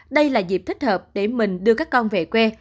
đây là dịp thích hợp để mình đưa các con về quê